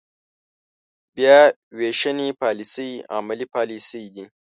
بیا وېشنې پاليسۍ عملي پاليسۍ دي.